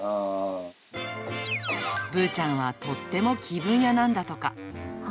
ぶーちゃんはとっても気分屋なんだとか。